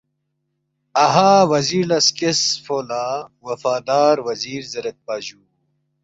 اَہا وزیر لہ سکیسفو لہ وفادار وزیر زیریدپا جُو